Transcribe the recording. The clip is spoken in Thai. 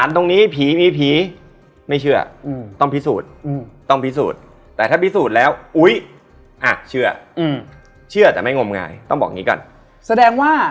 แล้วพูดแค่พูดขึ้นไปว่า